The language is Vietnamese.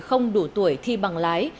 không đủ tuổi thi bằng lái